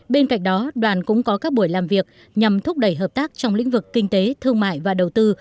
bên cạnh đó đoàn cũng có các buổi làm việc nhằm thúc đẩy hợp tác trong lĩnh vực kinh tế thương mại và đầu tư